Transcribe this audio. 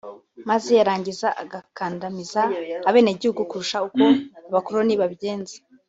maze yarangiza agakandamiza abenegihugu kurusha uko abakoloni babigenza